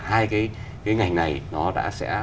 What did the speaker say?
hai cái ngành này nó đã sẽ